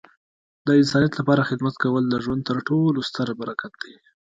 د انسانیت لپاره خدمت کول د ژوند تر ټولو ستره برکت دی.